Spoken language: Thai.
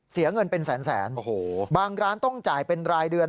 เสียเงินเป็นแสนแสนบางร้านต้องจ่ายเป็นรายเดือน